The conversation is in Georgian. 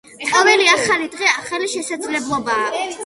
ყოველი ახალი დღე ახალი შესაძლებლობაა.